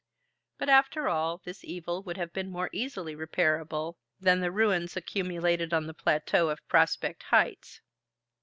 But after all, this evil would have been more easily reparable than the ruins accumulated on the plateau of Prospect Heights.